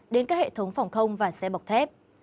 đến các hệ thống phòng không và xe bọc thép